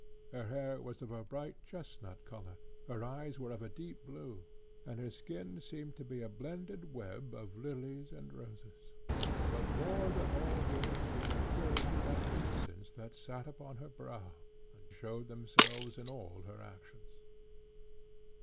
Her hair was of a bright chestnut colour, her eyes were of a deep blue, and her skin seemed to be a blended web of lilies and roses. But more than all this were the purity and innocence that sate upon her brow, and showed themselves in all her actions.